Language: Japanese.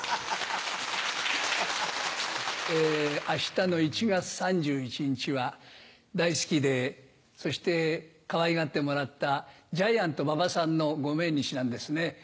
明日の１月３１日は大好きでそしてかわいがってもらったジャイアント馬場さんのご命日なんですね。